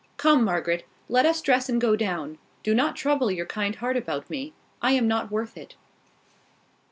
Come, Margaret, let us dress and go down. Do not trouble your kind heart about me: I am not worth it."